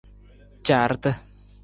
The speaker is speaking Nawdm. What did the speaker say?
Caarata.